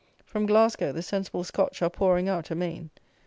From Glasgow the sensible Scotch are pouring out amain.